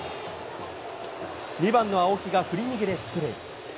２番の青木が振り逃げで出塁。